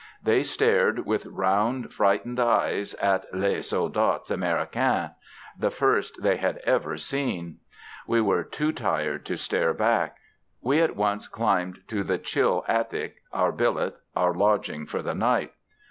They stared with round frightened eyes at les soldats Americans, the first they had ever seen. We were too tired to stare back. We at once climbed to the chill attic, our billet, our lodging for the night.